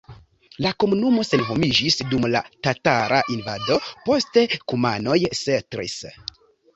La komunumo senhomiĝis dum la tatara invado, poste kumanoj setlis.